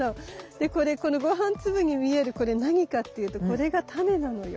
でこのごはん粒に見えるこれ何かって言うとこれがタネなのよ。